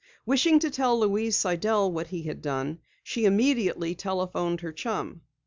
Wishing to tell Louise Sidell what he had done, she immediately telephoned her chum.